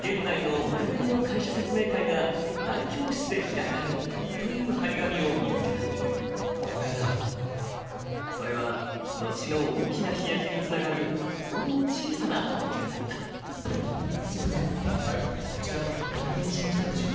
現在の丸紅の会社説明会が大教室で開かれるという張り紙を見つけたそれは後の大きな飛躍につながるほんの小さな発見だったそうですよ。